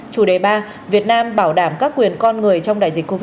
chủ đề ba việt nam bảo đảm các quyền con người trong đại dịch covid một mươi